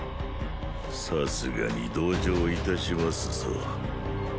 さすがに同情致しますぞ。